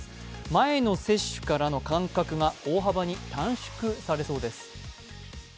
前の接種からの間隔が大幅に短縮されそうです。